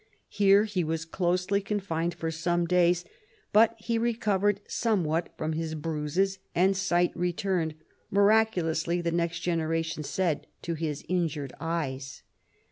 Here he was closely con fined for some days, but he recovered somewhat from his bruises, and sight returned — miraculously the next generation said — to his injured eyes.